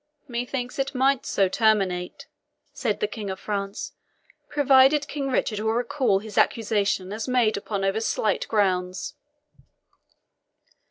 "Methinks it might so terminate," said the King of France, "provided King Richard will recall his accusation as made upon over slight grounds."